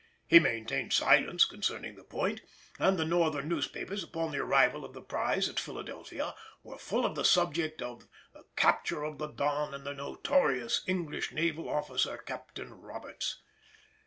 He maintained silence concerning the point, and the Northern newspapers upon the arrival of the prize at Philadelphia were full of the subject of the "Capture of the Don and the notorious English naval officer, Captain Roberts."